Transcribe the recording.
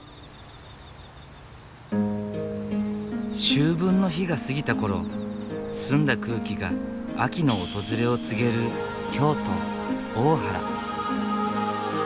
秋分の日が過ぎた頃澄んだ空気が秋の訪れを告げる京都・大原。